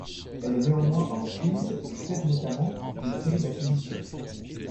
Elle est néanmoins en crise du fait notamment d'une série d'acquisitions.